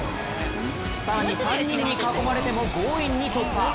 更に３人に囲まれても強引に突破。